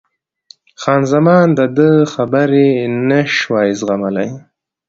خان زمان د ده خبرې نه شوای زغملای.